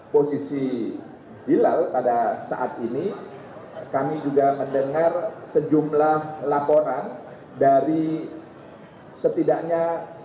posisi hilal pada saat ini kami juga mendengar sejumlah laporan dari setidaknya